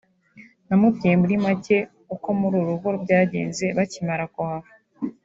namubwiye muri make uku mu rugo byagenze bakimara kuhava